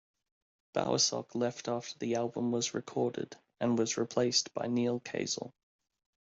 Bowersock left after the album was recorded, and was replaced by Neal Casal.